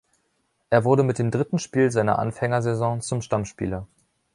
Er wurde mit dem dritten Spiel seiner Anfängersaison zum Stammspieler.